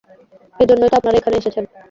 এই জন্যই তো আপনারা এখানে এসেছেন।